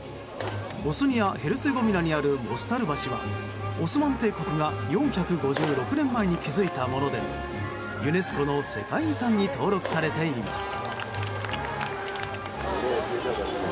ボスニア・ヘルツェゴビナにあるモスタル橋はオスマン帝国が４５６年前に築いたものでユネスコの世界遺産に登録されています。